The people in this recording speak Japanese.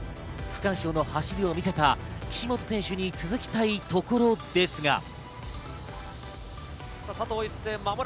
区間賞の走りを見せた岸本選手に続きたいところですが。